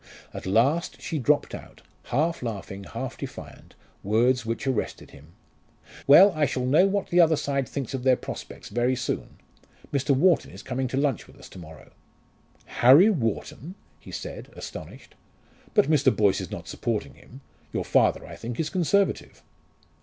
At last she dropped out, half laughing, half defiant, words which arrested him, "Well, I shall know what the other side think of their prospects very soon. Mr. Wharton is coming to lunch with us to morrow." "Harry Wharton!" he said astonished. "But Mr. Boyce is not supporting him. Your father, I think, is Conservative?"